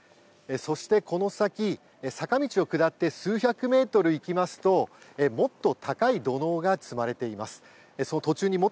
そして、この先坂道を下って数百メートルいきますともっと高い土のうが積まれています。